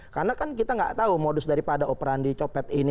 karena kan kita nggak tahu modus daripada operandi copet ini